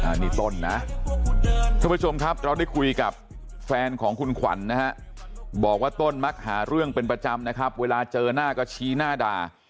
อันนี้ต้นนะทุกผู้ชมครับเราได้คุยกับแฟนของคุณขวัญนะฮะบอกว่าต้นมักหาเรื่องเป็นประจำนะครับเวลาเจอหน้าก็ชี้หน้าด่า